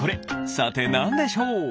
さてなんでしょう？